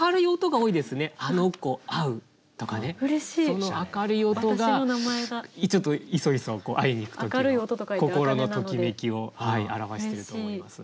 その明るい音がちょっといそいそ会いに行く時の心のときめきを表してると思います。